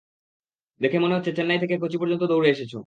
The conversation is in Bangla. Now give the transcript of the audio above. দেখে মনে হচ্ছে চেন্নাই থেকে কোচি পর্যন্ত দৌড়ে এসেছো।